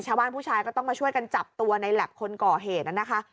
ชาวบ้านผู้ชายก็ต้องมาช่วยกันจับตัวในแล็บคนก่อเหตุนะคะ